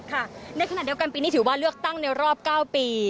ในขณะเดียวกันปีนี้ถือว่าเลือกตั้งในรอบ๙ปี